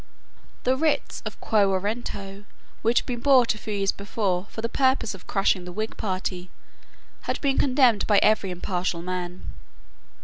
The writs of Quo Warranto which had been brought a few years before for the purpose of crushing the Whig party had been condemned by every impartial man.